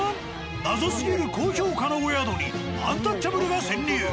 謎すぎる高評価のお宿にアンタッチャブルが潜入！